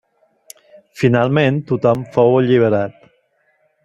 Finalment tothom fou alliberat.